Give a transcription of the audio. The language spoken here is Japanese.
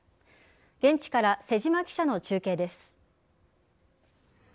現地から瀬島記者の中継です。